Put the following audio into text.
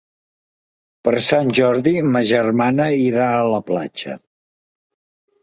Per Sant Jordi ma germana irà a la platja.